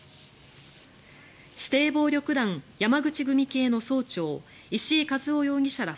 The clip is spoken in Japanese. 指定暴力団山口組系の総長石井和夫容疑者ら